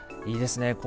いいですね